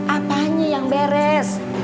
apanya yang beres